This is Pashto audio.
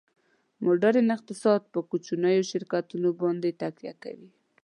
ماډرن اقتصاد په کوچنیو شرکتونو باندې تکیه کوي